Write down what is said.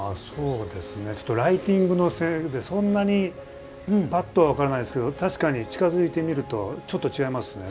ライティングのせいでそんなにパッとは分からないですけど確かに、近づいてみるとちょっと違いますね。